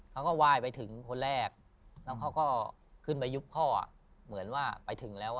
เขาก็ไหว้ไปถึงคนแรกแล้วเขาก็ขึ้นไปยุบข้อเหมือนว่าไปถึงแล้ว